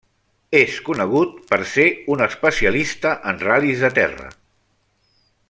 És conegut per ser un especialista en ral·lis de terra.